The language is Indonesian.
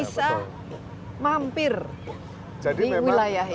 bisa mampir di wilayah ini